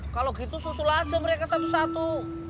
kalau gitu susul aja mereka satu satu